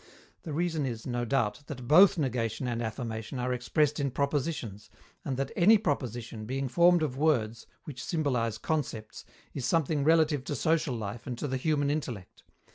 The reason is, no doubt, that both negation and affirmation are expressed in propositions, and that any proposition, being formed of words, which symbolize concepts, is something relative to social life and to the human intellect.